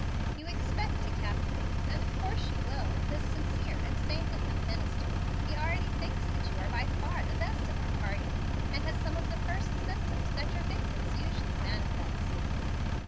"You expect to captivate (and of course you will) this sincere and saintly young minister. He already thinks that you are by far the best of our party, and has some of the first symptoms that your victims usually manifest."